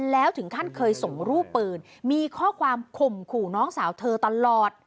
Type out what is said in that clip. แล้วถึงขั้นเคยส่งรูปปืนมีข้อความข่มขู่น้องสาวเธอตลอด